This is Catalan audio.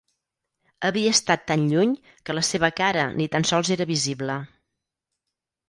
Havia estat tan lluny que la seva cara ni tan sols era visible.